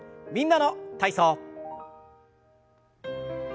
「みんなの体操」。